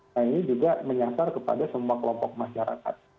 nah ini juga menyasar kepada semua kelompok masyarakat